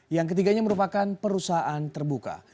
yang ketiganya merupakan perusahaan terbuka